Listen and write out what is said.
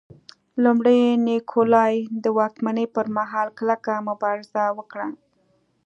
لومړي نیکولای د واکمنۍ پرمهال کلکه مبارزه وکړه.